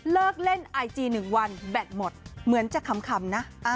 เลิกเล่นไอจีหนึ่งวันแบตหมดเหมือนจะขำนะ